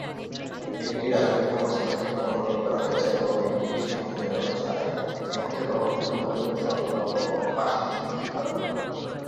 একটি রাজকীয় হস্তক্ষেপ অনুরোধ করা হয়েছে, এবং একটি সন্দেহ ছাড়াই, সবচেয়ে প্রভাবিত অঞ্চলের সরবরাহ আশ্বাস নিশ্চিত করা হবে।